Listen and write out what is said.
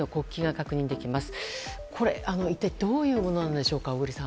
確認できますがこれ、一体どういうものなんでしょうか。